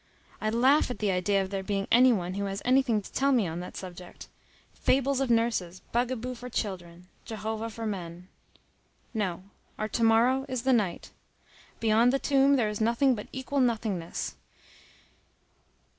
I laugh at the idea of there being any one who has anything to tell me on that subject. Fables of nurses; bugaboo for children; Jehovah for men. No; our to morrow is the night. Beyond the tomb there is nothing but equal nothingness.